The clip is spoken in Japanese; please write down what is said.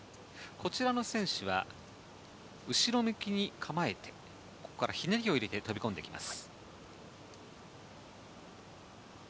こちらの選手は後ろ向きに構えて、ひねりを入れて、飛び込んできます。